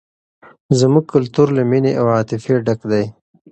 زموږ کلتور له مینې او عاطفې ډک دی.